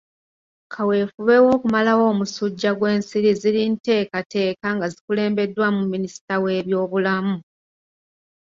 Kaweefube w'okumalawo omusujja gw'ensiri ziri nteekateeka nga zikulembeddwamu minisita w'ebyobulamu.